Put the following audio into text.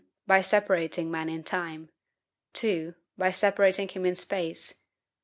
By separating man in time; 2. by separating him in space; 3.